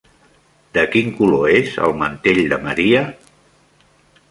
De quin color és el mantell de Maria?